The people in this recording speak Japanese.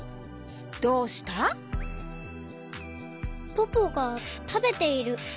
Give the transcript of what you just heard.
ポポがたべている。